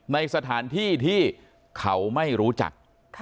ในสถานที่ที่เขาไม่รู้จัก